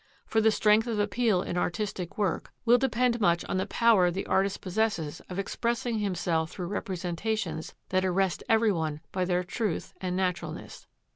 For the strength of appeal in artistic work will depend much on the power the artist possesses of expressing himself through representations that arrest everyone by their truth and naturalness.